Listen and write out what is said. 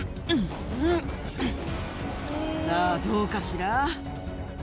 さぁどうかしら？